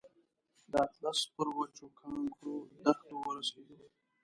د اطلس پر وچو کانکرو دښتو ورسېدو.